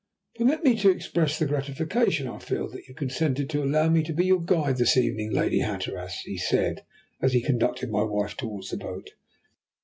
"Permit me to express the gratification I feel that you have consented to allow me to be your guide this evening, Lady Hatteras," he said as he conducted my wife towards the boat.